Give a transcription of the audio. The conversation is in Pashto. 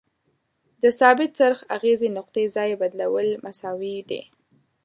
د ثابت څرخ اغیزې نقطې ځای بدلول مساوي دي.